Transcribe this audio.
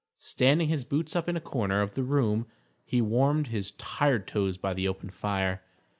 Standing his boots up in a corner of the room, he warmed his tired toes by the open fire.